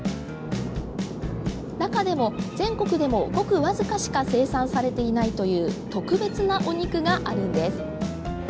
中でも全国でもごく僅かしか生産されていないという特別なお肉があるんです。